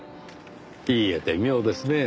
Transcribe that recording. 言い得て妙ですねぇ。